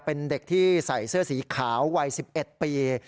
เป็นเด็กที่ใส่เสื้อสีขาววัย๑๑ปี